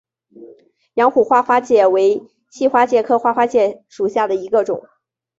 阳虎花花介为细花介科花花介属下的一个种。